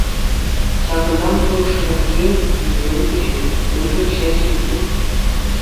Ҫакӑнтан хӑрушраххи нимӗн те ҫук уншӑн ҫӗр ҫинче.